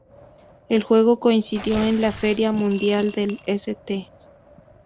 El juego coincidió con la Feria Mundial de St.